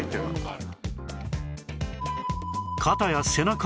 ある。